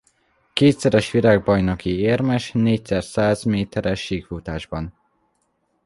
Kétszeres világbajnoki érmes négyszer száz méteres síkfutásban.